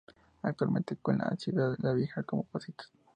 Actualmente une la Ciudad Vieja con Pocitos.